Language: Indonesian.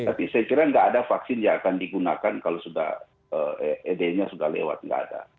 tapi saya kira tidak ada vaksin yang akan digunakan kalau sudah edm nya sudah lewat tidak ada